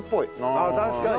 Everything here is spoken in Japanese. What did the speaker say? ああ確かに。